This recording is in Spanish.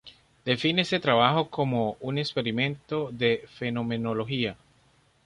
Define este trabajo como "un experimento de fenomenología".